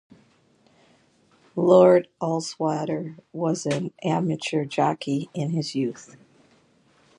Lord Ullswater was an amateur jockey in his youth.